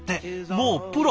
もうプロ！